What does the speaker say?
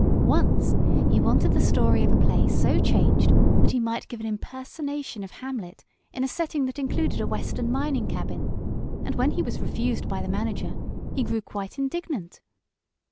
Once he wanted the story of a play so changed that he might give an impersonation of Hamlet in a setting that included a Western mining cabin, and when he was refused by the manager he grew quite indignant.